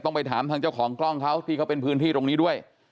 ไปถามทางเจ้าของกล้องเขาที่เขาเป็นพื้นที่ตรงนี้ด้วย